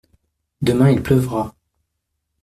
Demain il pleuvra.